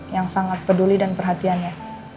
yang sangat peduli dan perhatiannya